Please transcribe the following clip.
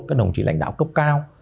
các đồng chí lãnh đạo cấp cao